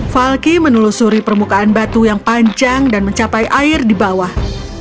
falky menelusuri permukaan batu yang panjang dan mencapai air di bawah